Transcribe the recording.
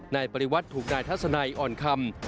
นายปริวัติถูกนายทัศนัยอ่อนคำ